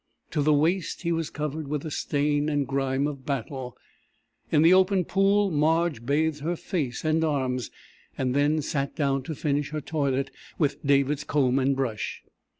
To the waist he was covered with the stain and grime of battle. In the open pool Marge bathed her face and arms, and then sat down to finish her toilet with David's comb and brush.